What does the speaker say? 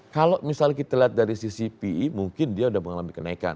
kalau misal kita lihat dari sisi pe mungkin dia sudah mengalami kenaikan